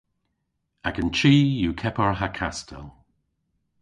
Agan chi yw kepar ha kastel.